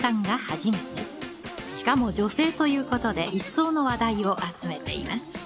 しかも女性ということで一層の話題を集めています。